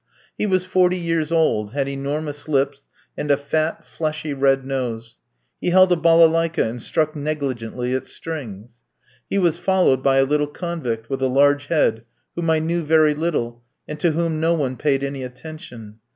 He was forty years old, had enormous lips, and a fat, fleshy, red nose. He held a balalaika, and struck negligently its strings. He was followed by a little convict, with a large head, whom I knew very little, and to whom no one paid any attention.